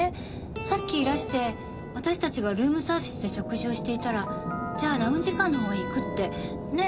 さっきいらして私たちがルームサービスで食事をしていたら「じゃあラウンジカーの方へ行く」ってねえ。